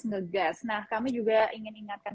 ngegas nah kami juga ingin ingatkan